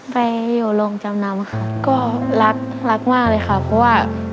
ไปอยู่โรงจำนำค่ะก็รักรักมากเลยค่ะเพราะว่า